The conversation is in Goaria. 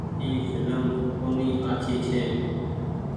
اي ڦلم ڪونيٚ آڇي ڇي۔